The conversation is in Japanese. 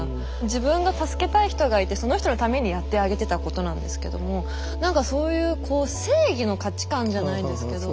自分が助けたい人がいてその人のためにやってあげてたことなんですけども何かそういうこう正義の価値観じゃないですけど。